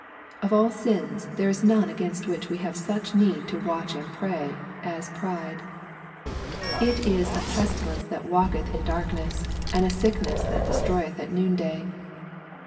Of all sins there is none against which we have such need to watch and pray, as pride. It is a pestilence that walketh in darkness, and a sickness that iestroyeth at noon day.